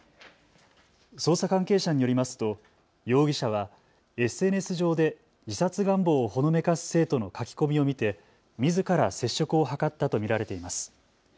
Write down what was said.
捜査関係者によりますと容疑者はＳＮＳ上で自殺願望をほのめかす生徒の書き込みを見てみずから接触を図ったと見られています。